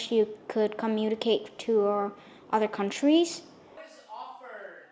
mà các bạn có thể liên hệ với các nước khác